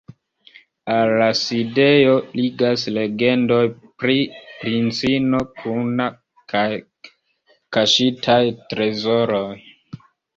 Al la sidejo ligas legendoj pri princino Kuna kaj kaŝitaj trezoroj.